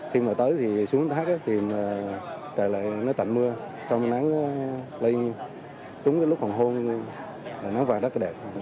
khi mà tới thì xuống thác thì trời lại nó tạnh mưa xong nắng lây xuống lúc hồng hôn nắng vàng rất là đẹp